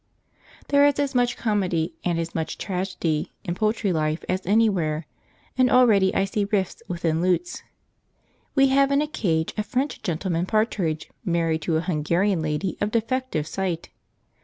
jpg} There is as much comedy and as much tragedy in poultry life as anywhere, and already I see rifts within lutes. We have in a cage a French gentleman partridge married to a Hungarian lady of defective sight.